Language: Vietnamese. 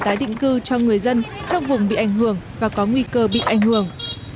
tái định cư cho người dân trong vùng bị ảnh hưởng và có nguy cơ bị ảnh hưởng